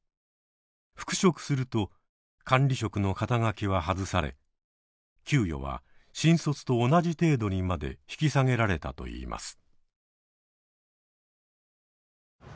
復職すると管理職の肩書は外され給与は新卒と同じ程度にまで引き下げられたといいます。